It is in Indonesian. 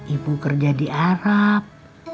ibu kerja di arab